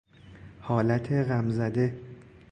حالت غمزده